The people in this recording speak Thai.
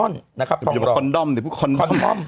อย่าพูดคอนดอมคอนดอม